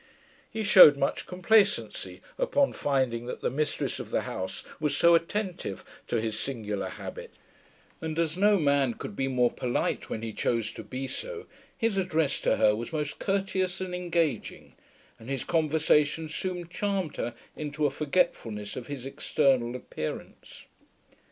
He shewed much complacency upon finding that the mistress of the house was so attentive to his singular habit; and as no man could be more polite when he chose to be so, his address to her was most courteous and engaging; and his conversation soon charmed her into a forgetfulness of his external appearance.